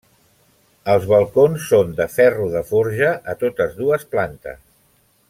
Els balcons són de ferro de forja a totes dues plantes.